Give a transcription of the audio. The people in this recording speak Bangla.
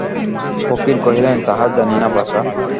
ফকির কহিলেন, তাহা জানি না বাছা।